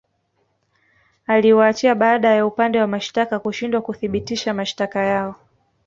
Aliwaachia baada ya upande wa mashitaka kushindwa kuthibitisha mashitaka yao